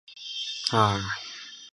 三泽上町车站的铁路车站。